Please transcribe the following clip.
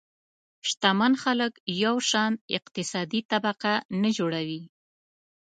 شتمن خلک یو شان اقتصادي طبقه نه جوړوي.